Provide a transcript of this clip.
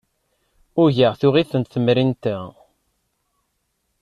Ugaɣ tuɣ-itent temrint-a.